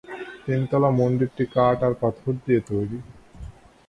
তিনতলা মন্দিরটি কাঠ আর পাথর দিয়ে তৈরি।